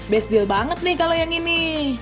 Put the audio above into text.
best deal banget nih kalau yang ini